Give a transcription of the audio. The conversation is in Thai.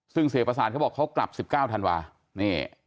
ซึ่งเสียประสานเขาบอกเขากลับ๑๙ธันวานี่